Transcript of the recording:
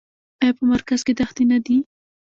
آیا په مرکز کې دښتې نه دي؟